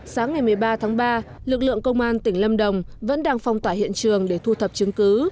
sáng ngày một mươi ba tháng ba lực lượng công an tỉnh lâm đồng vẫn đang phong tỏa hiện trường để thu thập chứng cứ